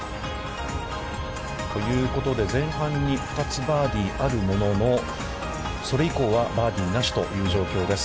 ということで前半に２つバーディーあるものの、それ以降はバーディーなしという状況です。